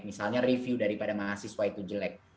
misalnya review daripada mahasiswa itu jelek